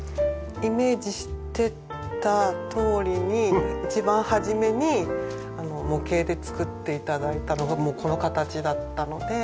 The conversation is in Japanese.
イメージしてたとおりに一番初めに模型で作って頂いたのがもうこの形だったので。